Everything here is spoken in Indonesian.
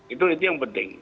itu yang penting